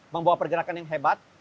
membawa pergerakan yang hebat